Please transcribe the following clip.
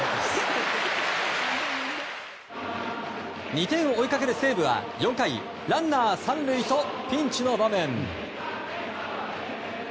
２点を追いかける西武は４回ランナー３塁とピンチの場面。